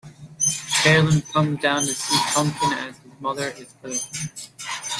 Carolyn comes down to see Pumpkin as his mother is hugging him.